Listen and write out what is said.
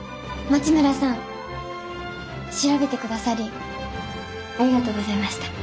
町村さん調べてくださりありがとうございました。